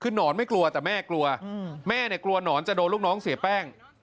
คือหนอนไม่กลัวแต่แม่กลัวแม่เนี่ยกลัวหนอนจะโดนลูกน้องเสียแป้ง